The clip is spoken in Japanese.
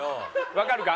わかるか？